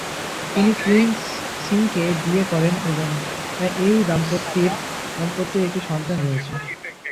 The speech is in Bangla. তিনি কুইন্টন সিংকে বিয়ে করেন এবং এই দম্পতির একটি সন্তান রয়েছে।